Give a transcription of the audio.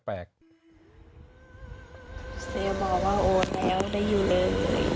เซลบอกว่าโอนแล้วได้อยู่เลย